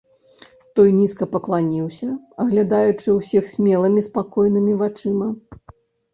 Той нізка пакланіўся, аглядаючы ўсіх смелымі, спакойнымі вачыма.